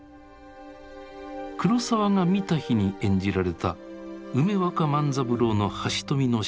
黒澤が見た日に演じられた梅若万三郎の「半蔀」の写真がある。